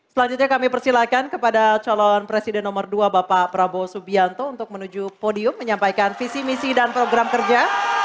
selanjutnya kami persilahkan kepada calon presiden nomor dua bapak prabowo subianto untuk menuju podium menyampaikan visi misi dan program kerja